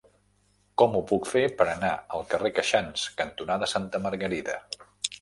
Com ho puc fer per anar al carrer Queixans cantonada Santa Margarida?